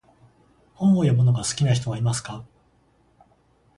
本を読むのが好きな人はいますか？